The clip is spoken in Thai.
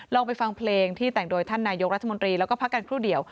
ลองไปฟังเพลงที่แต่งโดยท่านนายกรัฐมนตรีแล้วก็พักกันครู่เดียว